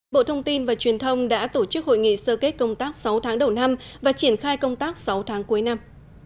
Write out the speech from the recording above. bộ thông tin và truyền thông đã tổ chức hội nghị sơ kết công tác sáu tháng đầu năm và triển khai công tác sáu tháng cuối năm